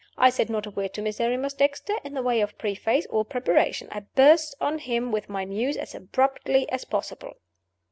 I said not a word to Miserrimus Dexter in the way of preface or preparation: I burst on him with my news as abruptly as possible.